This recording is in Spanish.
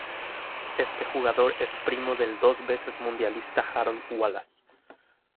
Este jugador es primo del dos veces mundialista Harold Wallace.